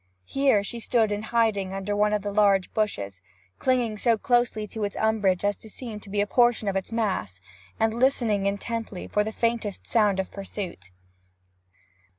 Here she stood in hiding under one of the large bushes, clinging so closely to its umbrage as to seem but a portion of its mass, and listening intently for the faintest sound of pursuit.